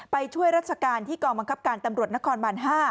ไปช่วยราชการที่กองบังคับการตำรวจนครบาน๕